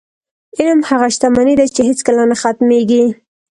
علم هغه شتمني ده، چې هېڅکله نه ختمېږي.